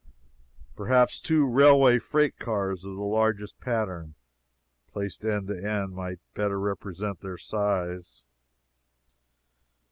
Perhaps two railway freight cars of the largest pattern, placed end to end, might better represent their size.